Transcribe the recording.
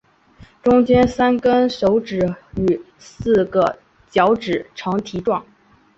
中间三跟手指与四个脚趾呈蹄状。